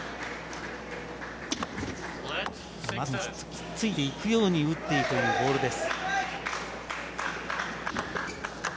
まさにツッツキ、つっついていくように打っていくというボールです。